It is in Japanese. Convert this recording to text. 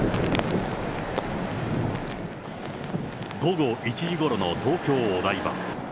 午後１時ごろの東京・お台場。